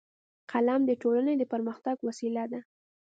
قلم د ټولنې د پرمختګ وسیله ده